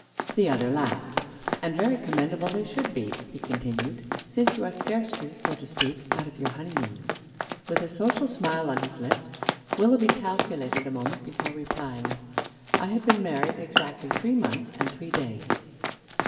The other laughed. 'And very commendable they should be,' he continued, 'since you are scarcely, so to speak, out of your honeymoon.' With a social smile on his lips, Willoughby calculated a moment before replying, 'I have been married exactly three months and three days.'